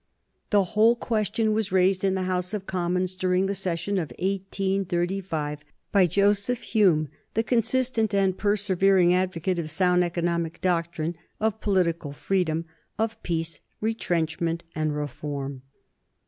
The whole question was raised in the House of Commons during the session of 1835 by Joseph Hume, the consistent and persevering advocate of sound economic doctrine, of political freedom, of peace, retrenchment, and reform.